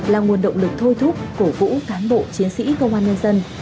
là nguồn động lực thôi thúc cổ vũ cán bộ chiến sĩ công an nhân dân